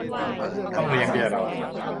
ต้องเลี้ยงเบียร์เรา